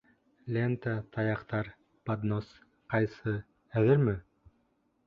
Лента, таяҡтар, поднос, ҡайсы әҙерме?